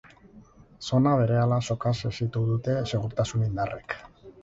Zona berehala sokaz hesitu dute segurtasun indarrek.